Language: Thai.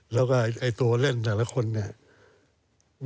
แล้วก็ไอ้ตัวเล่นแต่ละคนเนี่ย